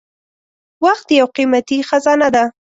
• وخت یو قیمتي خزانه ده.